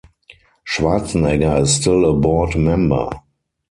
Schwarzenegger is still a board member.